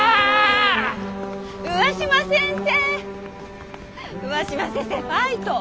上嶋先生！